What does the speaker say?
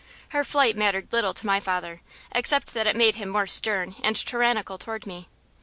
Her flight mattered little to my father, except that it made him more stern and tyrannical toward me.